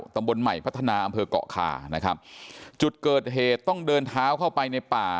ตำบลใหม่พัฒนาอำเภอกเกาะคานะครับจุดเกิดเหตุต้องเดินเท้าเข้าไปในป่า